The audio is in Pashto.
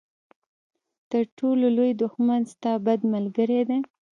تر ټولو لوی دښمن ستا بد ملګری دی.